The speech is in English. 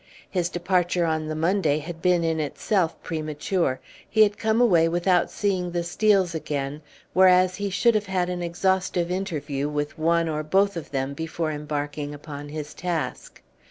His departure on the Monday had been in itself premature. He had come away without seeing the Steels again, whereas he should have had an exhaustive interview with one or both of them before embarking upon his task.